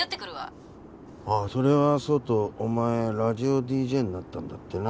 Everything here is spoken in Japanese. それはそうとお前ラジオＤＪになったんだってな。